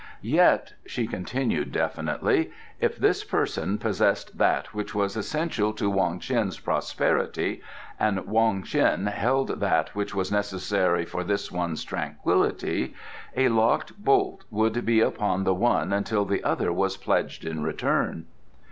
"Yet," she continued definitely, "if this person possessed that which was essential to Wong Ts'in's prosperity, and Wong Ts'in held that which was necessary for this one's tranquillity, a locked bolt would be upon the one until the other was pledged in return."